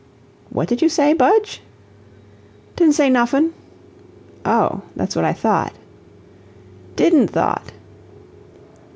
"What did you say, Budge?" "Didn't say noffin'." "Oh that's what I thought." "DIDN'T thought."